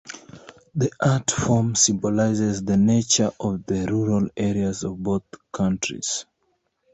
The art form symbolises the nature of the rural areas of both countries.